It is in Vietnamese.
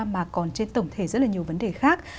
mà còn trên tổng thể rất là nhiều vấn đề khác